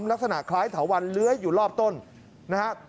ลักษณะคล้ายเถาวันเลื้อยอยู่รอบต้นนะฮะ